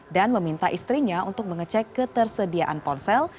dan meminta istrinya untuk mengecek ketersediaan ponsel